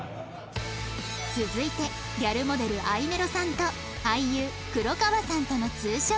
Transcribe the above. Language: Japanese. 続いてギャルモデルあいめろさんと俳優黒川さんとのツーショット